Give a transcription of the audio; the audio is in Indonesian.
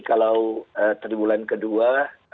kalau tribulan kedua